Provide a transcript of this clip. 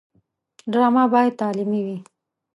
ډرامه باید تعلیمي وي